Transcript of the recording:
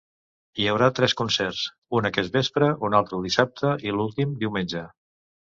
Hi haurà tres concerts, un aquest vespre, un altre dissabte i l’últim, diumenge.